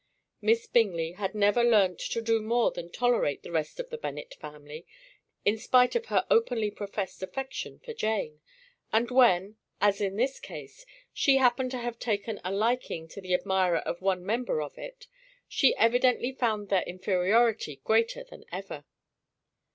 Miss Bingley had never learnt to do more than tolerate the rest of the Bennet family, in spite of her openly professed affection for Jane, and when, as in this case, she happened to have taken a liking to the admirer of one member of it, she evidently found their inferiority greater than ever.